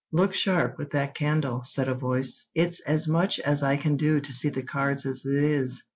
"Look sharp with that candle," said a voice; "it's as much as I can do to see the cards as it is.